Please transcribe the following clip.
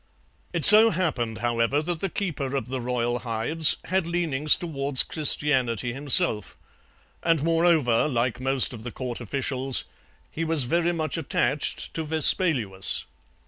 "It so happened, however, that the keeper of the royal hives had leanings towards Christianity himself, and moreover, like most of the Court officials, he was very much attached to Vespaluus.